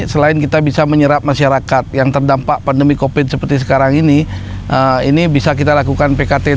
selain kita bisa menyerap masyarakat yang terdampak pandemi covid seperti sekarang ini ini bisa kita lakukan pkt